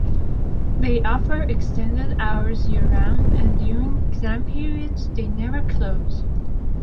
They offer extended hours year-round and during exam periods they never close.